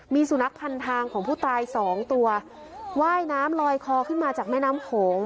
มีสุนัขพันทางของผู้ตายสองตัวว่ายน้ำลอยคอขึ้นมาจากแม่น้ำโขง